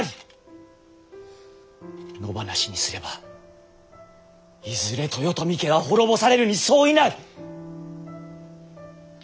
野放しにすればいずれ豊臣家は滅ぼされるに相違ない！